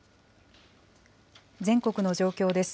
全国の状況です。